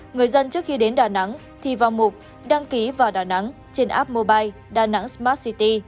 người dân trước khi đến đà nẵng thì vào mục đăng ký vào đà nẵng trên app mobile đà nẵng smart city